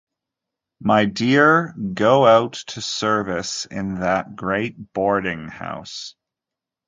My dear, go out to service in that great boarding-house!